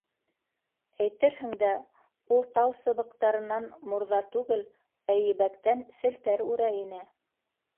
Әйтерһең дә, ул тал сыбыҡтарынан мурҙа түгел, ә ебәктән селтәр үрә ине.